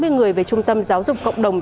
hai mươi người về trung tâm giáo dục cộng đồng